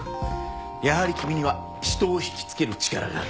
やはり君には人を引きつける力がある。